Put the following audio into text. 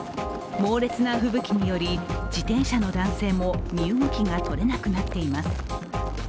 猛烈な吹雪により自転車の男性も身動きがとれなくなっています。